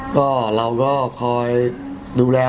ก็เราก็คอยดูแล